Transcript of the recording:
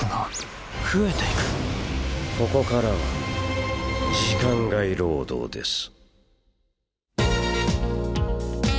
ここからは時間外労働です。